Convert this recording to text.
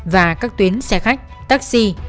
và các tuyến xe khách taxi